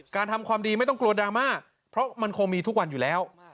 ทำความดีไม่ต้องกลัวดราม่าเพราะมันคงมีทุกวันอยู่แล้ว